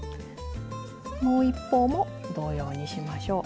もう一方も同様にしましょう。